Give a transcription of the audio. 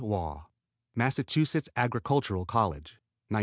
_Massachusetts Agricultural College, 1906.